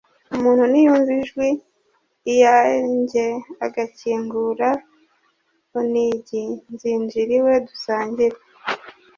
umuntu niyumva ijwi iyanjye, agakingura unigi, nzinjira iwe dusangire."